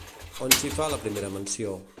On s'hi fa la primera menció?